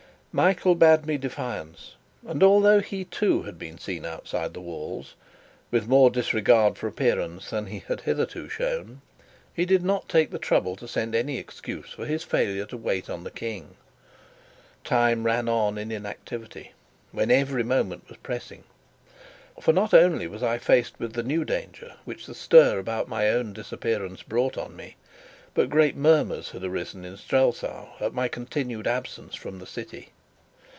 Michael bade me defiance; and although he too had been seen outside the walls, with more disregard for appearances than he had hitherto shown, he did not take the trouble to send any excuse for his failure to wait on the King. Time ran on in inactivity, when every moment was pressing; for not only was I faced with the new danger which the stir about my disappearance brought on me, but great murmurs had arisen in Strelsau at my continued absence from the city.